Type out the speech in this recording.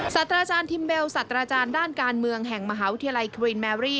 สัตว์อาจารย์ทิมเบลสัตว์อาจารย์ด้านการเมืองแห่งมหาวิทยาลัยครินแมรี่